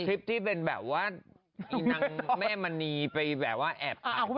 คลิปที่เป็นแบบว่าอีนางแม่มณีไปแบบว่าแอบถ่าย